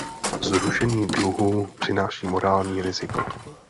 Zrušení dluhů přináší morální riziko.